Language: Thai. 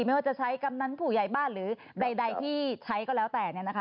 ไม่ว่าจะใช้กำเนั้นผูหญิบ้านหรือใดที่ใช้ก็แล้วแต่